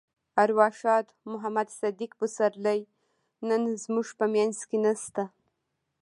ارواښاد محمد صديق پسرلی نن زموږ په منځ کې نشته.